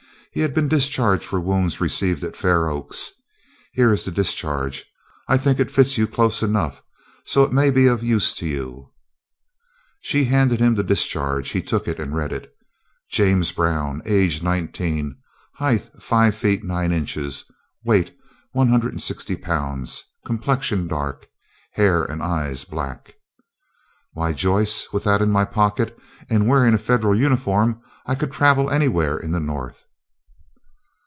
He had been discharged for wounds received at Fair Oaks. Here is the discharge. I think it fits you close enough, so it may be of use to you." She handed him the discharge; he took it and read: "James Brown, age nineteen; height five feet nine inches; weight one hundred and sixty pounds; complexion dark; hair and eyes black." "Why, Joyce, with that in my pocket, and wearing a Federal uniform, I could travel anywhere in the North."